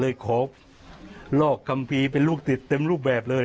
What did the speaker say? เลยครบลอกกำพีเป็นลูกศิษฐ์เต็มรูปแบบเลย